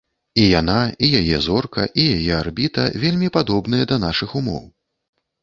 І яна, і яе зорка, і яе арбіта вельмі падобныя да нашых умоў.